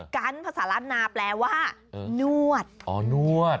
กันภาษารัฐนาแปลว่านวดอ๋อนวด